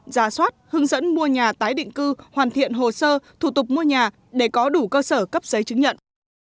giả soát hướng dẫn mua nhà tái định cư hoàn thiện hồ sơ thủ tục mua nhà để có đủ cơ sở cấp giấy chứng nhận